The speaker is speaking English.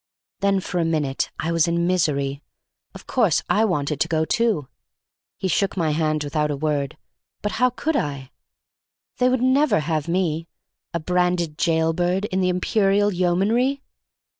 Then for a minute I was in misery. Of course I wanted to go too—he shook my hand without a word—but how could I? They would never have me, a branded jailbird, in the Imperial Yeomanry!